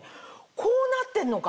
こうなってんのか！